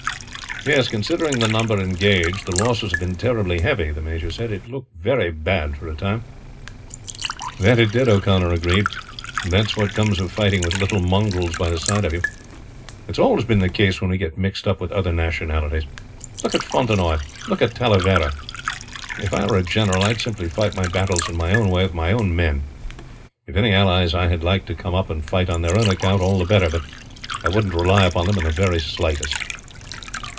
"Yes, considering the number engaged, the losses have been terribly heavy," the major said. "It looked very bad for a time." "That it did," O'Connor agreed. "That's what comes of fighting with little mongrels by the side of you. It's always been the case when we get mixed up with other nationalities. Look at Fontenoy, look at Talavera. If I were a general I would simply fight my battles in my own way with my own men. If any allies I had liked to come up and fight on their own account, all the better; but I wouldn't rely upon them in the very slightest."